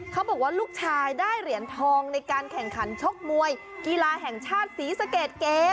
เขาบอกว่าลูกชายได้เหรียญทองในการแข่งขันชกมวยกีฬาแห่งชาติศรีสะเกดเกม